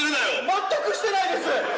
全くしてないです！